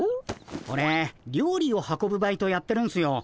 オレ料理を運ぶバイトやってるんすよ。